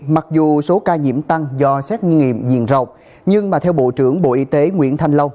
mặc dù số ca nhiễm tăng do xét nghiệm diện rộng nhưng mà theo bộ trưởng bộ y tế nguyễn thanh lâu